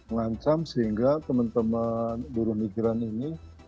mengancam sehingga teman teman buruh migran ini